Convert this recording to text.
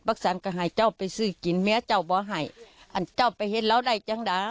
ปรักษันกะให้เจ้าไปซื้อกินเมียเจ้าบอกให้อันเจ้าไปเห็นแล้วได้จังหรอ